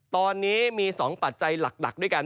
ตอนนี้มี๒ปัจจัยหลักด้วยกัน